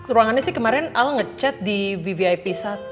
ruangannya sih kemarin aku ngechat di vvip satu